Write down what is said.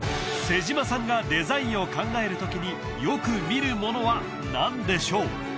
妹島さんがデザインを考える時によく見るものは何でしょう？